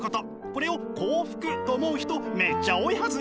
これを幸福と思う人めっちゃ多いはず！